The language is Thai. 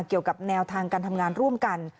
เกี่ยวกับแนวทางการทำงานร่วมกัน